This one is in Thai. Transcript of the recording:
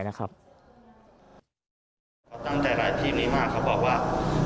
จำใจแรงทีมมีบอบว่า